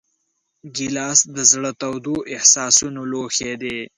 ګیلاس د زړه تودو احساسونو لوښی دی.